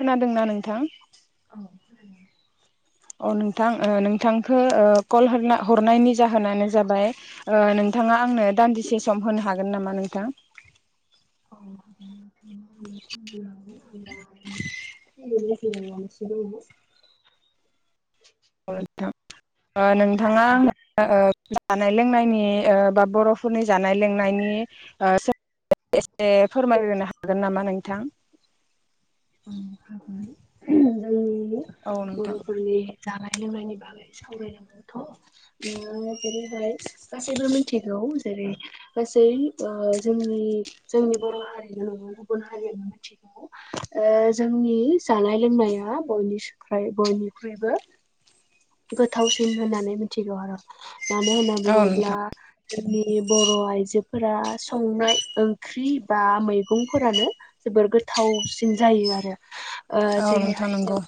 खोनादोंना नोंथां? औ, औ नोंथांखौ कल हनायनि जाहोनानो जाबाय नोंथाङा आं आंनो दान्दिसे सम होनो हागोन नामा नोंथां? [unintelligible] [inaudible] ओ नोंथां नोंथाङा आंनो ओ जानाय लोंनायनि ओ बा बर'फोरनि जानाय लोंनायनि ओ सब- एसे फोरमायहोनो हागोन नामा नोंथां? जोंनि औ नोंथां बर'फोरनि जानाय लोंनायनि बागै सावरायनो मोनथ' जेरैहाय गासैबो मिथिगौ जेरै गासै जोंनि बर' हारिल' नङा गुबुन हारिया न खौ ओ जोंनि जानाय लोंनाया बयनिख्रुइबो गोथावसिन होननानै मिथिगौ आरो मानो होनना औ बुङोब्ला नोंथां जोंनि बर' आइजोफोरा संनाय ओंख्रि बा मैगंफोरानो जोबोर गोथावसिन जायो आरो ओ औ नोंथां जेरैहाय जों नंगौ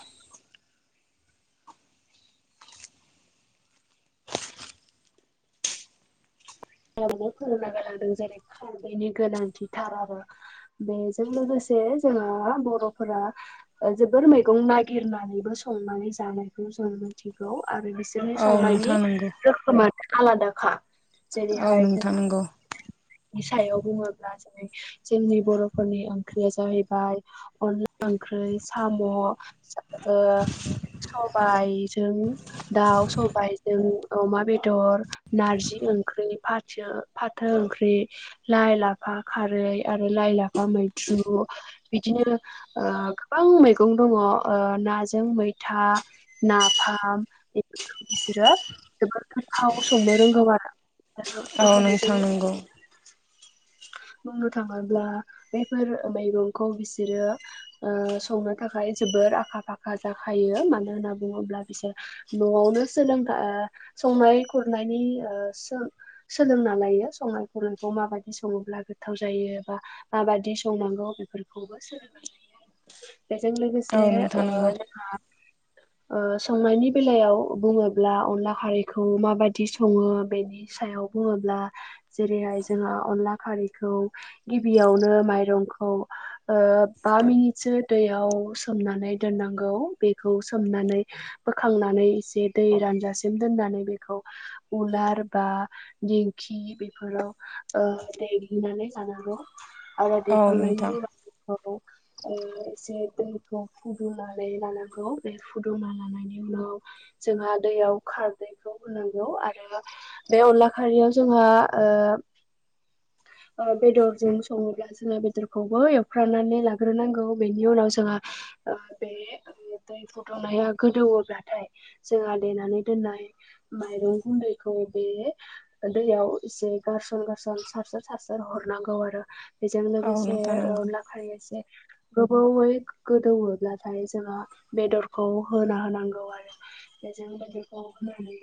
[unintelligible] फोरोंना गालांदों जेरै खारदैनि गोनांथिथाराबो बेजों लोगोसे जे जोंहा बर'फोरा जोबोर मैगं नागिरनानैबो संनानै जानायखौ जों मिथिगौ आरो बिसोरनि औ संनायनि नोंथां नंगौ रोखोमानो आलादाखा औ जेरैहाय जों नोंथां नांगौ, ! [unintelligible] सायाव बुङोब्ला जेरै, जोंनि बर'फोरनि ओंख्रिया जाहैबाय अनला ओंख्रि फ्राय साम' ओ सबायजों दाउ स बाय जों अमा बेदर नारजि ओं ख्रि फाथो ओंख्रि लाइ लाफा खारै आरो लाइ लाफा मैद्र- द्रु बिदिनो गोबां मैगं दङ नाजों मैथा नाफाम बेफोरखौ बिसोरो जोबोद गोथाव संनो रोंगौ आरो। औ बेजों नोंथां नांगौ। बुंनो थाङोब्ला बेफोर मैगंखौ बिसोरो ओ संनो थाखाय जोबोर आखा फाखा जाखायो मानो होनना बुङोब्ला बिसोर न'आवनो सोलोंथाय ओ संनाय खुरनायनि ओ सों सोलोंना लायो संनाय खावनायखौ माबादि सङोब्ला गोथाव जायो एबा माबादि संनांगौ बेफोरखौबो सोलोंनो हायो [inaudible] बेजों औ लोगोसे नोंथां ओ नंगौ जोंहा ओ संनायनि बेलायाव बुङोब्ला अनला खारैखौ माबाददि सङो बेनि सायाव बुङोब्ला जेरैहाय जोंहा अनला खारैखौ गिबियावनो माइरंखौ ओ बा मिनिटसो दैयाव सोमनानै दोननांगौ बेखौ सोमनानै बोखांनानै बे इसे दै रानजासिम दोननानै बेखौ उलार बा दिंखि बेफोराव ओ देग्लिनानै जानांगौ आरो औ देखांनायनि नोंथां उनावबेखौ ओ एसे दैखौ फुदुंनानै लानांगौ बे फुदुंना लानायनि उनाव जोंहा दैयाव खारदैैखौ होनांगौ आरो बे अनला खारियाव जोंहा ओ [inaudible] ओ बेदरजों सङोब्ला जोङो बेदरखौबो एवफ्रानानै लाग्रोनांगौ बेनि उनाव जोंहा ओ बे दै फुदुंनाया गोदौब्लाथाय जोंहा देनानै दोननाय माइरं गुन्दैखौ बे दैयाव एसे गारसन गारसन सारसो सारसो हरनांगौ आरो बेजों औ लोगोसे नोंथां नंगौ अनला खारिया एसे गोबावै गोदौयोब्लाथाय जोङो बेदरखौ होना होनांगौ आरो बे जों बायदिखौ होननानै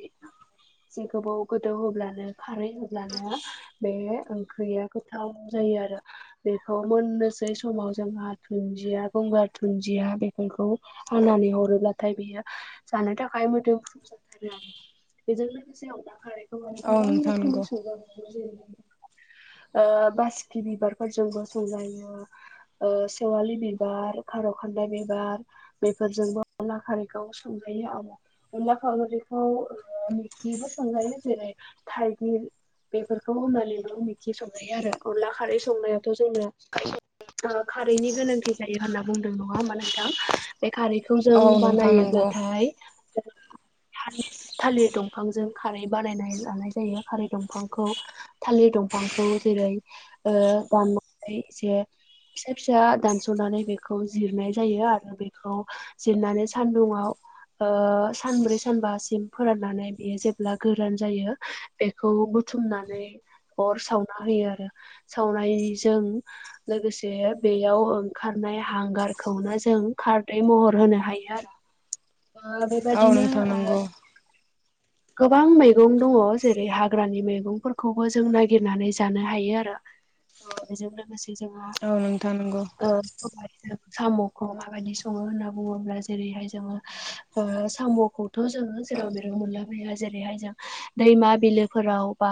जे गोबाव गोदौ होब्लानो खारै होब्लानो बे ओंख्रिया गोथाव जायो आरो बेखौमोननोसै समाव जोंहा दुन्दिया गंगार दुुनदिया बेफोरखौ आंनानै हरोब्लाथाय बेयो जानो थाखाय मोदोम मोदोमफ्रु जाथारो आरो बेजों लोगोसे हारानायखौ माने औ गोबां नोंथां रोखोमै नंगौ संजाबावांगौ जेर [inaudible] ओ बासिकि बिबारफोरजोंबो संजायो ओ सेवालि बिबार दखानद बिबार बेफोरजोंबो अनला खारिखौ संजायो आब अनला खावैखौ खिबो संजायो जेरै थाइगिर बेफोरखौ होननानैल'नोखि संहायो आरो अनला खारै संनायाथ' जोंनो खारैनि गोनांथि जायो होनना बुंदों नङा होमबा नोंथां खारैखौ जों औ नोंथां नंगौ बानायोब्लाथाय जों थालिर दंफांजों खारै बानायनाय लानाय जायो खारै दंफांखौ थालिर दंफांखौ जेरै ओ [unintelligible] फिसा फिसा दानस'नानै बेखौ जिरनाय जायो आरो बेखौ जिरनानै सानदुंङाव ओ सानब्रै सानबासिम फोराननानै बेयो जे गोरान जायो बेखौ बुथुमनानै अर सावना होयो आरो साव [unintelligible] लोगोसे बेयाव ओंखारनाय हांगारखौनो जों महर होनो हायो आरो। [inaudible] ओ औ नों बेबायदिनो ओ थांनंगौ। गोबां मैगं दङ जेरै हाग्रानि मैगंफोरखौबो जों नागिरनानै जानो हायो आरो ओ बेजों लोगोसे जोंहा औ नोंथां नंगौ साम'खौ माबायदि सङो होनना बुङोब्ला जेरैहाय जोङो ओ साम'खौथ' जोङो जेराव मेराव मोनला जेरैहाय जों दैमा बिलोफोराव बा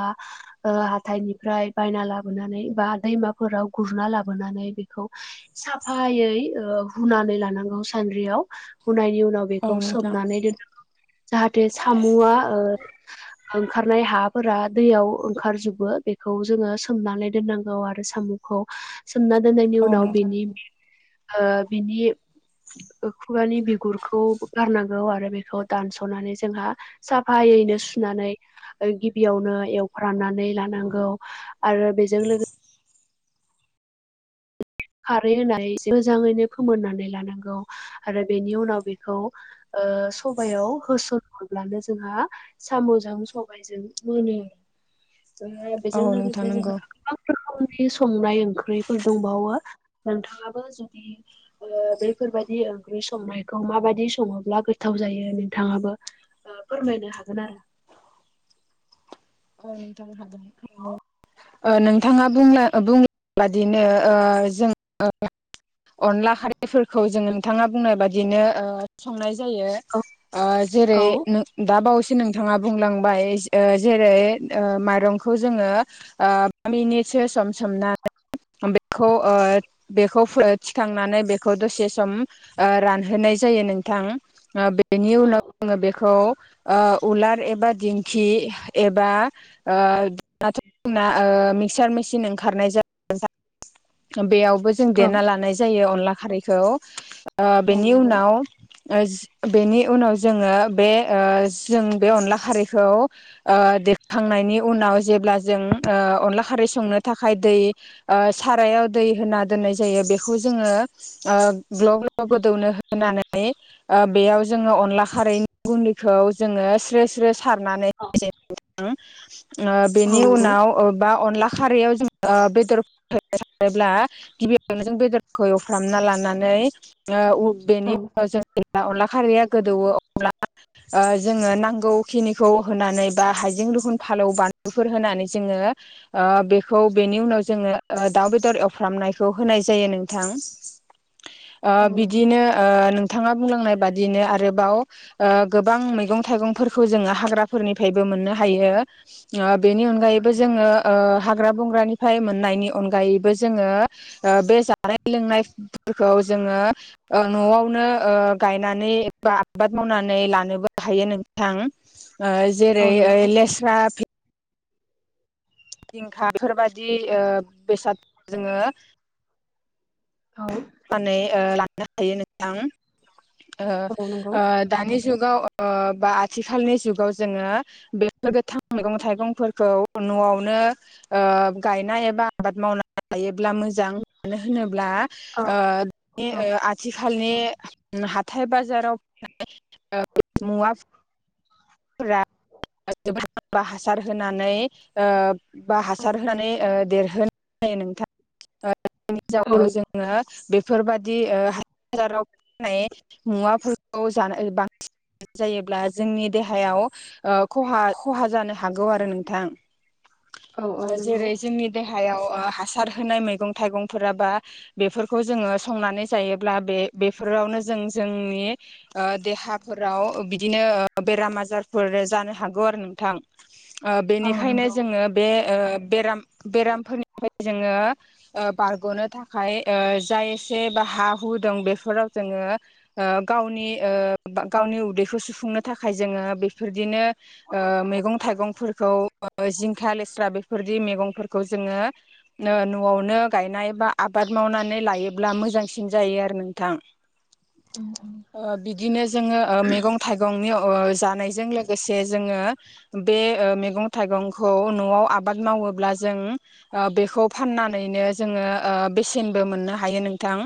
हाथायनिफ्राय बायना लाबोन बा दैमााव फोराव गुर लाबोनानै बेखौ साफायौओ हुना लानांगौ सानदरिआव सुनायनि उनाव औ बेखौ नोंथां सोमनानैोन जाहे मुवा ओ ओंखारनाय हाफोरा दैयाव ओंखारजोबो बेखौ जोङो सोमनानै दोननांगौ आरो साम खौ सोमना दोननायनि औ उनाव नोंथां बिनिओ बिनि खुगानि बिगुरखौ गारनांगौ आरो बेखौ दानस'नानै जोंहा साफायैनो सुनानै गिबियावनो एवफ्रनानै लानांगौ आरो बेजों लोगोसे खारै होनानै मोजाङैनो फोमोननानै लानांगौ आरो बेनि उनाव बेखौ ओ सबायाव होसनहरब्लानो जोंहा साम'जों सबायजों मोनो [inaudible] ओ औ बेजों नोंथां लोगोसे नंगौ जोंहा गोबां रोखोमनि संनाय ओंख्रिफोर दंबावो नोंथाङाबो जुदिओ बेफोरबायदि ओंख्रि संनायखौ माबायदि सङोब्ला गोथाव जायो नोंथाङाबो फोरमायनो हागोन आरो औ नोंथां हागोन ओ नोंथाङा बुंनायबादिनो ओ जों अनला खारिफोरखौ जोङो नोंथाङा बुंनाय बादिनो ओ संनाय आरो ओ जेरै दाबावैसो नोंथाङा बुंलांबाय जेरै माइरंखौ जोङो बा मिनिटसो सम सोमनानै बेखौ बे थिखांनानै बेखौ दसे सम रानहोनाय जायो नोंथां बेनि नि उनाव जोङो बेखौ उलार एबा दिंखि एबा दाथ' जोंना मिक्सार मेसिन ओंखारनाय ज बेयाव जों देरना लानाय जायो अनला खारैखौ औ औ बेनि उनाव बेनि उनाव जोङो बे जों बे अनला खारैखौ खांनायनि उनाव जेब्ला जों अनला खारै संनो थाखाय दै सारायाव दै दै होना‌ दोन्नाय जायो बेखौ जोङो ग्लब ग्लब गोदौनो‌ होनानै बेयाव जोङो अनला खारैनि गुन्दैखौ जोङो स्रे स्रे सारनानै बेनि उनाव बा अनला खारैयाव जों बेदर थायोब्ला गिबियावनो जों बेदरखौ एवफ्रामना लानो लानानै बेनि उनाव जों अनला खारैया गोदौवो अब्ला जोङो नांगौ खिनिखौ होनानै बा हाइजें रुहुन फालौ बानलुफोर होनानै जोङो बेखौ बेनि उनाव जोङो दाउ बेदर एवफ्रामनायखौ होनाय जायो नोंथां बिदिनो बिथाङा बुंलांनाय बादियैनो आरोबाव गोबां मैगं थाइगंफोरखौ जोङो हाग्राफोरनि निबो मोननो हायो बेनि अनगायैबो जोङो हाग्रा बंग्रानिफ्राय मोननायनि अनगायैबो जोङो बे जानाय लोंनायफोरखौ जोङो न'आवनो गायनानै बा आबाद मावनानै लानोबो हायो नों नोंथां जेरै लेस्रा जिंखा बेफोरबायदि बेसाद जोङो लांनो हायो नोंथां दानि जुगाव बा आथिखालनि जुगाव जोङो बेफोर गोथां मैगं थाइगंफोरखौ न'आवनो गायनाय एबा आबाद मावनानै लायोब्ला मोजां मानो होनोब्ला औ ओ [unintelligible] आथि आथिखालनि हाथाय बाजाराव [unintelligible] मुवा [unintelligible] हासार होनानै बा हासार होनानै देरहोनाय जायो नोंथां [unintelligible] जोङो बे बेफोरबायादि हाजाराव फानाय मुवाफोरखौ जानो बांसिन जायोब्ला जोंनि देहायाव खहा खहा जानो हागौ आरो औ नोंथां नंगौ जेरै जोंनि देहा हायाव हासार होनाय मैगं थाइगंफोराबा बेफोरखौ जोङो संनानै जायोब्ला बे बेफोरावनो जों जोंनि देहाफोराव बिदिनो बेराम आजारफोर जानो हागौ आरो नोंथां औ नंगौ औ बेनिखायनो नंगौ जोङो बे बेरामफोरनिफ्राय जोङो बारग'नो थाखाय जायसे हा हु दं बेफोराव जोङो गावनि गावनि उदैखौ सुफुंनो थाखाय जोङो बेफोरदिनो मैगं थाइगंफोरखौ जिंखा लेस्रा बेफोरदि मैगंफोरखौ जोङो न'आवनो गायनाय बा आबाद आबाद मावनानै लायोब्ला मोजांसिन जायो आरो नोंथां बिदिनो जोङो मैगं थाइगं जानायजों लोगोसे जोङो बे मैगं थाइगंखौ न'आव आबाद मावोब्ला जों बेखौ फाननानैनो जोङो बेसेनबो मोननो हायो नोंथां।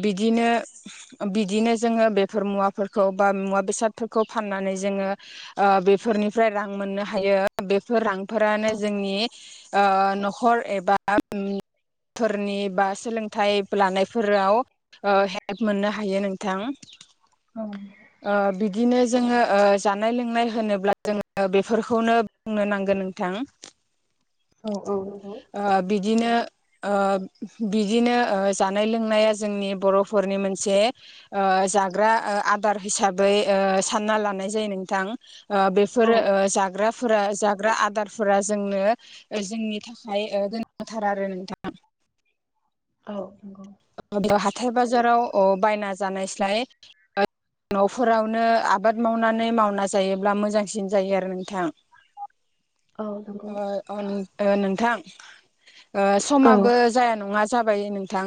बिदिनो बिदिनो जोङो बेफोर मुवाखौ बा मुवा बेसादफोरखौ फाननानै जोङो बेफोरनिफ्राय रां मोननो हायो। बेफोर रांफोरानो जोंनि न'खर एबा फोरनि बा सोलोंथाइ लानायफोराव हेल्प मोननो हायो नोंथां औ बि बिदिनो जोङो जानाय लोंनाय होनोब्ला जोङो बेफोरखौनो बुंनो नांगोन नोंथां। [inaudible] औ औ। ओ बिदिनो ओ बिदिनो ओ जानाय लोंनाया जोंनि बर'फोर नि मोनसे जाग्रा आदार हिसाबै सानना लानाय जायो नोंथां। ओ औ बेफोर ओ जाग्राफोरा जाग्रा आदारफोरा जोंनो जोंनि थाखाय ओ गोनांथार आरो नोंथां। औ नंगौ। बेयाव हाथाय बाजाराव अ बायना जानायस्लाय ओ- न'फोरावनो आबाद मावनानै मावना जायोब्ला मोजांसिन जायो आरो नोंथां। औ नों औ नंगौ औ नंगौ ओ अनो ओ नोंथां। ओ औ समाबो जाया नङा जाबाय नोंथां।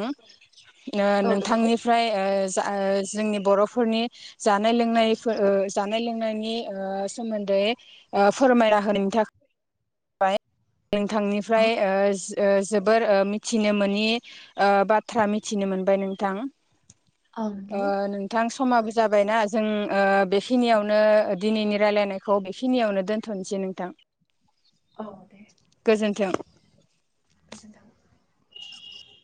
ओ औ नंगौ औ नंगौ औ नंगौ औ नंगौ नोंथांनिफ्राय ओ जा ओ जोंनि बर'फोरनि जानाय लोंनाय फोर ओ जानाय लोंनायनि ओ सोमोन्दै बे ओ फोरमायना होनायनि थाखाय औ नोंथांनिफ्राय ओ जि ओ जोबोर ओ मिथिनो मोनि बाथ्रा मिथिनो मोनबाय नोंथां। औ ओ नंगौ नोंथां समाबो जाबायना जों ओ बेखिनियावनो दिनैनि रायलायनायखौ बेखिनियावनो दोन्थ'नोसै नोंथां। औ गोजोन्थों। गोजोनथों।